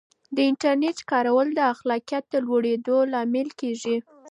د انټرنیټ کارول د خلاقیت د لوړېدو لامل کیږي.